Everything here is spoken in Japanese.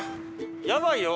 やばいよ！